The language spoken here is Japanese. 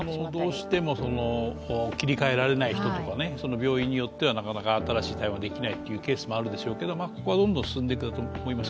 どうしても切り替えられない人とか、病院によっても新しいものができないところもあるのでここはどんどん進んでいくと思います。